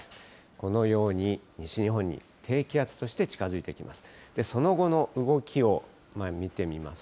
このように、西日本に低気圧として近づいてきます。